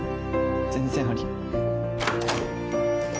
全然あり。